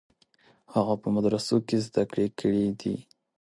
هغه په مدرسو کې زده کړې کړې دي.